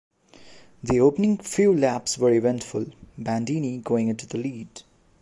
The opening few laps were eventful - Bandini going into the lead.